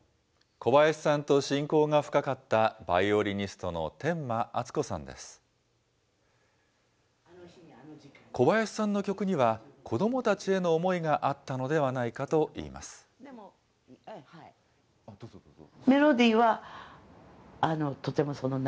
小林さんの曲には、子どもたちへの思いがあったのではないかといいます。